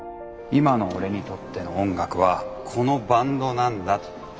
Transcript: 今の俺にとっての音楽はこのバンドなんだって思った。